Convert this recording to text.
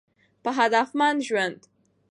په هدفمند ژوند